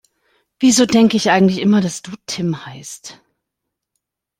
Wieso denke ich eigentlich immer, dass du Tim heißt?